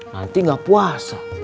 nanti ga puasa